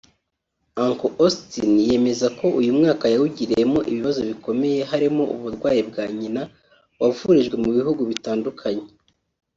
Uncle Austin yemeza ko uyu mwaka yawugiriyemo ibibazo bikomeye harimo uburwayi bwa nyina wavurijwe mu bihugu bitandukanye